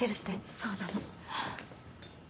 そうなの。